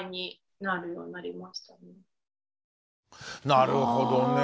なるほどね。